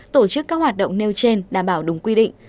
tổ chức các hoạt động nêu trên đảm bảo đúng quy định